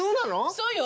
そうよ。